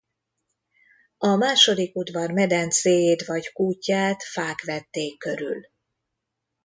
A második udvar medencéjét vagy kútját fák vették körül.